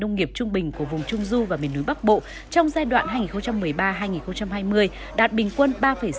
nông nghiệp trung bình của vùng trung du và miền núi bắc bộ trong giai đoạn hai nghìn một mươi ba hai nghìn hai mươi đạt bình quân ba sáu mươi